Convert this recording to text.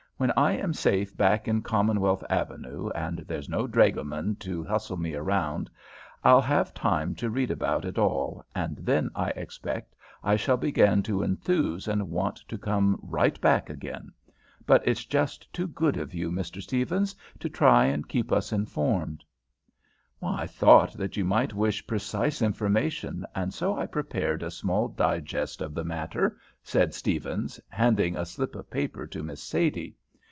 "When I am safe back in Commonwealth Avenue, and there's no dragoman to hustle me around, I'll have time to read about it all, and then I expect I shall begin to enthuse and want to come right back again. But it's just too good of you, Mr. Stephens, to try and keep us informed." "I thought that you might wish precise information, and so I prepared a small digest of the matter," said Stephens, handing a slip of paper to Miss Sadie.